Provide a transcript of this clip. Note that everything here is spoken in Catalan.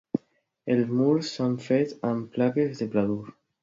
Els murs s'han fet amb plaques de Pladur.